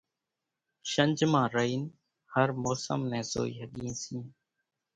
شنجھ مان رئينَ هر موسم نين زوئِي ۿڳيئين سيئين۔